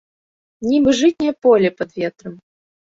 Нібы жытняе поле пад ветрам.